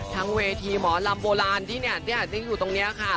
เวทีหมอลำโบราณที่เนี่ยที่อยู่ตรงนี้ค่ะ